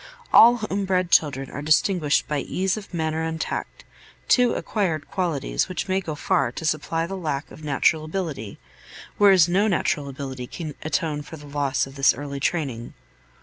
All home bred children are distinguished by ease of manner and tact, two acquired qualities which may go far to supply the lack of natural ability, whereas no natural ability can atone for the loss of this early training.